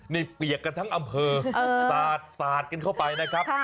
นี่เปียกกันทั้งอำเภอสาดกันเข้าไปนะครับ